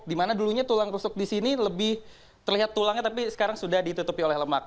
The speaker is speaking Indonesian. dimana dulunya tulang rusuk di sini lebih terlihat tulangnya tapi sekarang sudah ditutupi oleh lemak